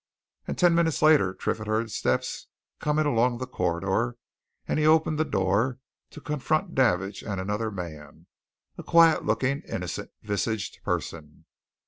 And ten minutes later Triffitt heard steps coming along the corridor and he opened the door to confront Davidge and another man, a quiet looking, innocent visaged person.